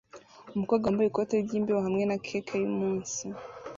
Umukobwa wambaye ikoti ryimbeho hamwe na cake yumunsi